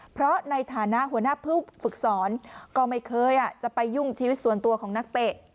เพราะในฐานะหัวหน้าผู้ฝึกสอนก็ไม่เคยจะไปยุ่งชีวิตส่วนตัวของนักเตะ